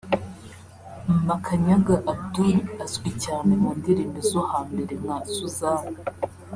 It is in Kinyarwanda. Makanyaga Abdul azwi cyane mu ndirimbo zo hambere nka “Suzana”